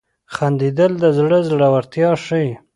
• خندېدل د زړه زړورتیا ښيي.